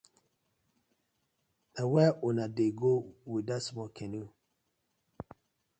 Na where uno dey go wit dat small canoe?